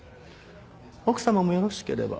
奥様もよろしければ。